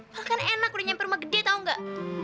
malah kan enak udah nyamper rumah gede tau gak